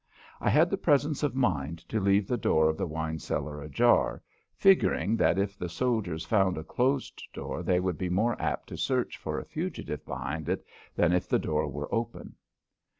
I had the presence of mind to leave the door of the wine cellar ajar, figuring that if the soldiers found a closed door they would be more apt to search for a fugitive behind it than if the door were open.